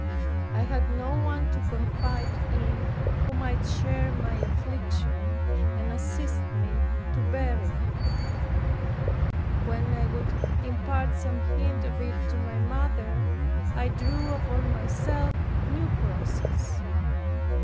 I had no one to confide in who might share my affliction, and assist me to bear it. When I would impart some hint of it to my mother, I drew upon myself new crosses.